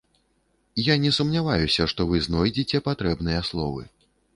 Я не сумняваюся, што вы знойдзеце патрэбныя словы.